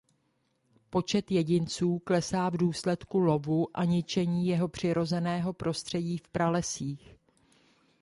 Počet jedinců klesá v důsledku lovu a ničení jeho přirozeného prostředí v pralesích.